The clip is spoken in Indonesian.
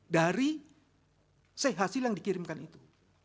dari hasil yang dikirimkan itu